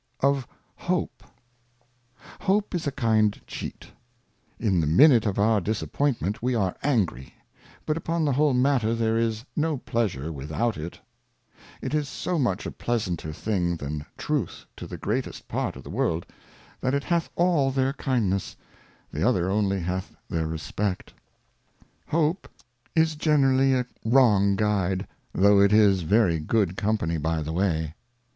Of HOPE. HOPE is a kind Cheat ; in the Minute of our Disappoint ment we are angry, but upon the whole matter there is no Pleasure vidthout it. It is so much a pleasanter thing than Truth to the greatest Part of the World, that it hath all their KindnesSj the other only hath their Respect. Hope is generally a wrong Guide, though it is very good Company by the way.